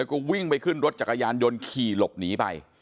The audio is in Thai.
วก็วิ่งไปขึ้นรถจากอาหารโดนขี่ลบหนีไป